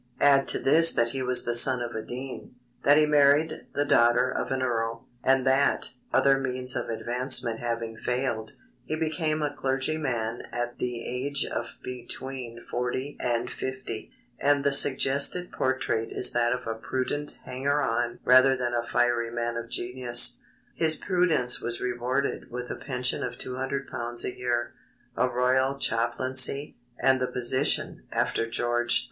Add to this that he was the son of a dean, that he married the daughter of an earl, and that, other means of advancement having failed, he became a clergyman at the age of between forty and fifty, and the suggested portrait is that of a prudent hanger on rather than a fiery man of genius. His prudence was rewarded with a pension of £200 a year, a Royal Chaplaincy, and the position (after George III.'